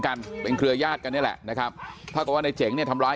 กันเป็นเครือญาติกันนี่แหละนะครับเท่ากับว่าในเจ๋งเนี่ยทำร้าย